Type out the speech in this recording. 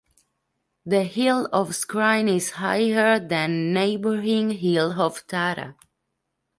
The Hill of Skryne is higher than the neighbouring Hill of Tara.